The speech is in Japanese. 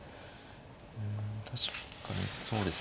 うん確かにそうですねまあ